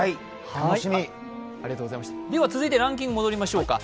続いてランキングに戻りましょうか。